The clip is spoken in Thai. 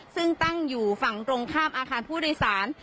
ซึ่งตั้งอยู่ฝั่งตรงข้ามอาคารผู้โดยสาร